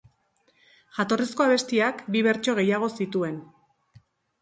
Jatorrizko abestiak bi bertso gehiago zituen...